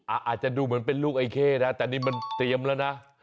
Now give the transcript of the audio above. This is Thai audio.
อาจจะดูเหมือนเป็นลูกไอเข้นะแต่นี่มันเตรียมแล้วนะ